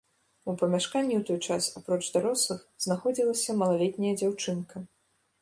У памяшканні ў той час апроч дарослых знаходзілася малалетняя дзяўчынка.